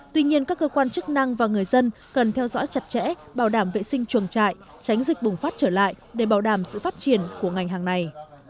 tuy nhiên các cơ quan chức năng và người dân cần theo dõi chặt chẽ bảo đảm vệ sinh chuồng trại tránh dịch bùng phát trở lại để bảo đảm sự phát triển của ngành hàng này